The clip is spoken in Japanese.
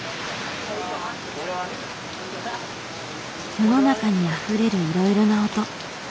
世の中にあふれるいろいろな音。